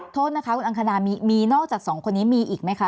โทษนะคะคุณอังคณามีนอกจากสองคนนี้มีอีกไหมคะ